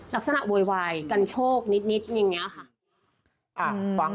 โวยวายกันโชคนิดอย่างนี้ค่ะ